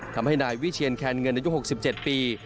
ทำให้นายวิเชียนแขนเงินในยุคหกสิบเจ็ดปี